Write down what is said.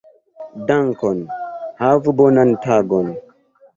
Dankon. Havu bonan tagon.